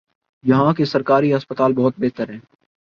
یہاں کے سرکاری ہسپتال بہت بہتر ہیں۔